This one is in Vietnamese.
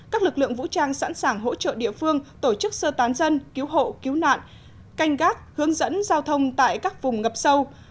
các lực lượng vũ trang sẵn sàng hỗ trợ địa phương tổ chức sơ tán dân cứu hộ cứu nạn canh gác hướng dẫn giao thông tại các vùng ngập sâu